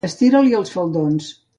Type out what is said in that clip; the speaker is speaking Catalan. Estirar-li els faldons.